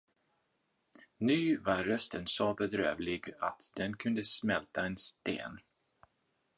Nu var rösten så bedrövlig, att den kunde smälta en sten.